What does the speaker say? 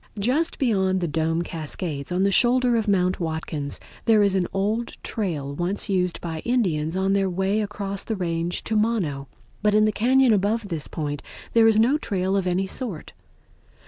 Just beyond the Dome Cascades, on the shoulder of Mount Watkins, there is an old trail once used by Indians on their way across the range to Mono, but in the cañon above this point there is no trail of any sort.